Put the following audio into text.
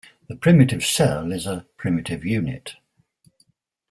The primitive cell is a "primitive unit".